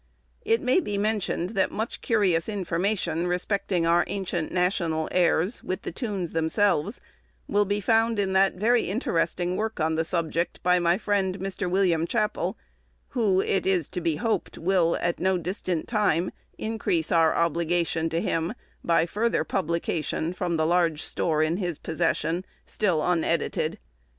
It may be mentioned, that much curious information, respecting our ancient national airs, with the tunes themselves, will be found in the very interesting work on the subject, by my friend, Mr. William Chappell, who, it is to be hoped, will, at no distant time, increase our obligation to him, by further publication from the large store in his possession, still unedited.